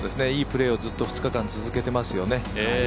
いいプレーを２日間ずっと続けていますよね。